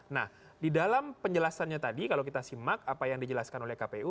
nah di dalam penjelasannya tadi kalau kita simak apa yang dijelaskan oleh kpu